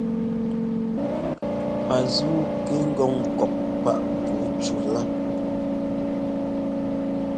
Pazúu kɛ ŋ́gɔ ŋ́kɔk páꞋ puu cú laa.